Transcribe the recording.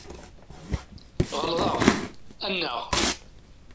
Ɣelḍeɣ, anaɣ?